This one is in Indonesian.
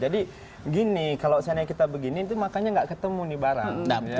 jadi gini kalau seandainya kita begini makanya nggak ketemu nih barang